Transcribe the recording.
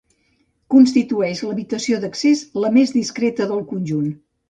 Constitueix l'habitació d'accés la més discreta del conjunt.